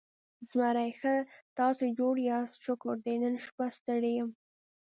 زمری: ښه، تاسې جوړ یاست؟ شکر دی، نن شپه ستړی یم.